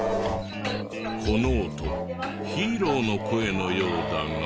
この音ヒーローの声のようだが。